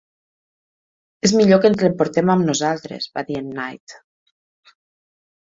"És millor que ens l"emportem amb nosaltres", va dir en Knight.